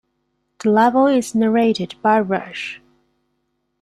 The level is narrated by Rush.